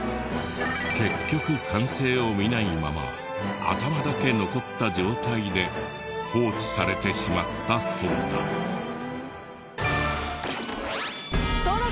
結局完成を見ないまま頭だけ残った状態で放置されてしまったそうだ。